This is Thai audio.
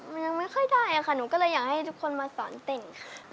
มันยังไม่ค่อยได้ค่ะหนูก็เลยอยากให้ทุกคนมาสอนติ่งค่ะ